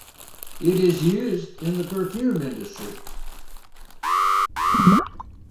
It is used in the perfume industry.